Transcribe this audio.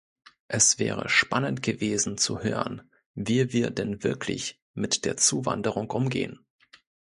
Es wäre spannend gewesen, zu hören, wie wir denn wirklich mit der Zuwanderung umgehen.